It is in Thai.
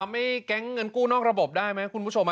ไม่แก๊งเงินกู้นอกระบบได้ไหมคุณผู้ชม